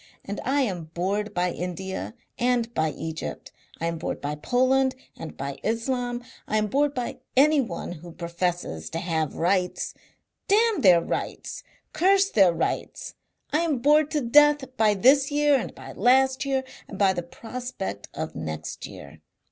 And I am bored by India and by Egypt. I am bored by Poland and by Islam. I am bored by anyone who professes to have rights. Damn their rights! Curse their rights! I am bored to death by this year and by last year and by the prospect of next year.